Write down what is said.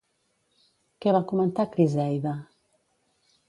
Què va comentar Criseida?